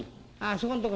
そこんとこ。